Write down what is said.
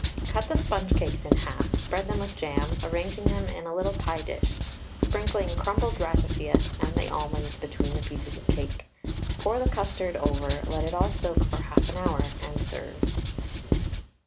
Cut the sponge cakes in half, spread them with jam, arranging them in a little pie dish, sprinkling crumbled ratafias and the almonds between the pieces of cake. Pour the custard over, let it all soak for half an hour, and serve.